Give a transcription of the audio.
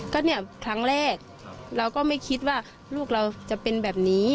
ก็เนี่ยครั้งแรกเราก็ไม่คิดว่าลูกเราจะเป็นแบบนี้